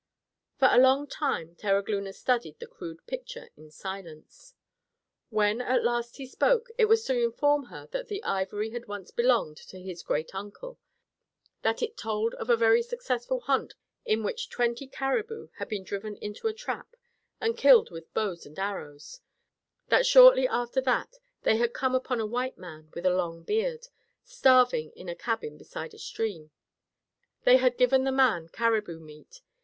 For a long time Terogloona studied the crude picture in silence. When at last he spoke, it was to inform her that the ivory had once belonged to his great uncle; that it told of a very successful hunt in which twenty caribou had been driven into a trap and killed with bows and arrows; that shortly after that they had come upon a white man with a long beard, starving in a cabin beside a stream. They had given the man caribou meat.